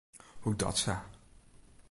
Hoedatsa?